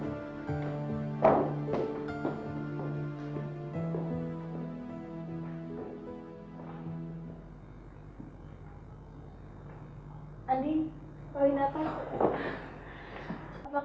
kamu juga kan pernah tolongin aku